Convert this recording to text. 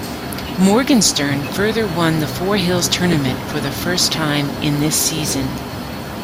Morgenstern further won the Four Hills Tournament for the first time in this season.